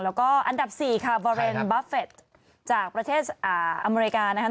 แล้วก็อันดับ๔ค่ะบอเรนบัฟเฟตจากประเทศอเมริกานะครับ